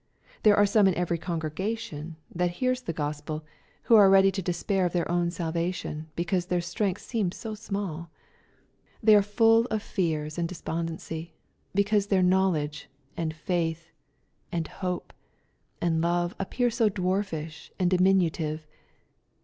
There are some in every congregation, that hears the Gospel, MATTHEW, CHAP. XII. 127 who are ready to despair of tlieir own salvation, because their strength seems so small. They are full of fears and despondency, because their knowledge, and faith, and hope, and love, appear so dwarfish and diminutive.